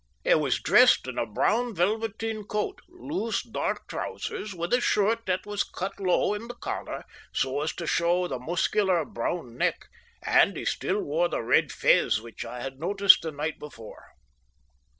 He was dressed in a brown velveteen coat, loose, dark trousers, with a shirt that was cut low in the collar, so as to show the muscular, brown neck, and he still wore the red fez which I had noticed the night before.